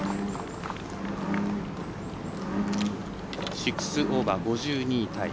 ６オーバー、５２位タイ。